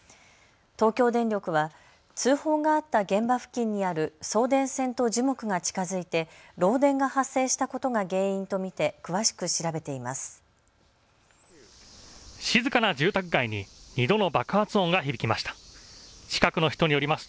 東京電力は通報があった現場付近にある送電線と樹木が近づいて漏電が発生したことが原因と見て詳しく調べています。